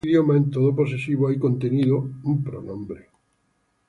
Cualquiera que sea la corrección del idioma, en todo posesivo hay contenido un pronombre.